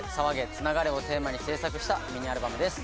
繋がれ！」をテーマに制作したミニアルバムです。